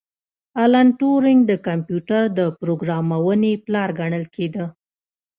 الن ټورینګ د کمپیوټر د پروګرامونې پلار ګڼل کیده